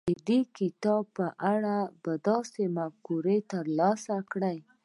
د دې کتاب په لړ کې به داسې مفکوره ترلاسه کړئ.